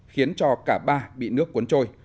khiến cho cả ba bị nước cuốn trôi